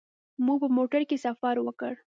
موږ په موټر کې سفر وکړ.